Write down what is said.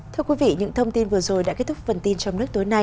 thưa quý vị những thông tin vừa rồi đã kết thúc phần tin trong nước tối nay